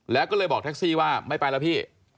แล้วก็เลยบอกแท็กซี่ว่าไม่ไปแล้วพี่